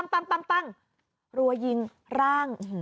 สวัสดีครับ